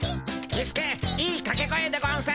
キスケいいかけ声でゴンス。